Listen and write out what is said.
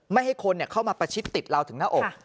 ไม่ให้คนเข้ามาประชิดติดเราถึงหน้าอก